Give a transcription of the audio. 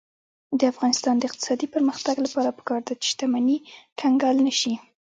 د افغانستان د اقتصادي پرمختګ لپاره پکار ده چې شتمني کنګل نشي.